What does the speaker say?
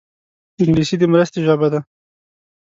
انګلیسي د مرستې ژبه ده